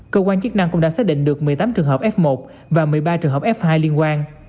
cơ quan chức năng cũng đã xác định được một mươi tám trường hợp f một và một mươi ba trường hợp f hai liên quan